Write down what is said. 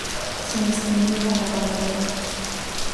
Se distinguió como ganadero.